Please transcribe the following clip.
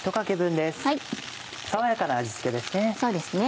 爽やかな味付けですね。